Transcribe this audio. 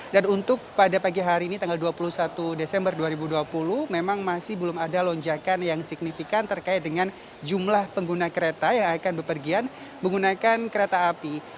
dan untuk pada pagi hari ini tanggal dua puluh satu desember dua ribu dua puluh memang masih belum ada lonjakan yang signifikan terkait dengan jumlah pengguna kereta yang akan berpergian menggunakan kereta api